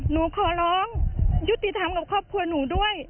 หนูขอร้องยุติธรรมกับครอบครัวหนูด้วย